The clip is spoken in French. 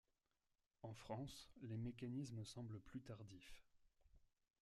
En France, les mécanismes semblent plus tardifs.